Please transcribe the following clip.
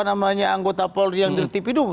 yang namanya anggota polri yang dierti pidung